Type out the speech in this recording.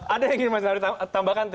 ada yang ingin mas darwi tambahkan